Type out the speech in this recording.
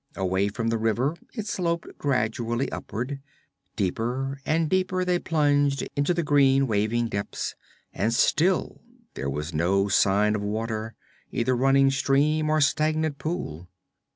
Away from the river, it sloped gradually upward. Deeper and deeper they plunged into the green waving depths, and still there was no sign of water, either running stream or stagnant pool.